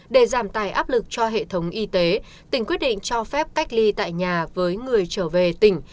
để giảm tài áp lực cho hệ thống y tế tỉnh quyết định cho phép cách ly tại nhà với người trở về tỉnh